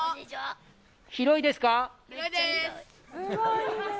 広いです！